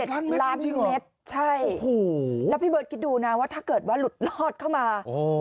ล้านลูกเมตรใช่โอ้โหแล้วพี่เบิร์ตคิดดูนะว่าถ้าเกิดว่าหลุดลอดเข้ามา